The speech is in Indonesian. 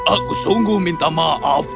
aku sungguh minta maaf